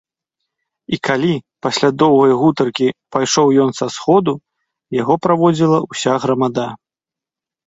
І калі пасля доўгай гутаркі пайшоў ён са сходу, яго праводзіла ўся грамада.